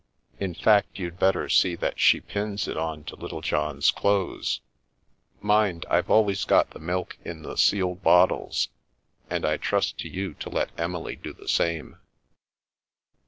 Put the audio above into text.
In fact, you'd better see that she pins it on to Littlejohn's clothes. Mind, I've always got the milk in the sealed bottles, and I trust to you to let Emily do the same."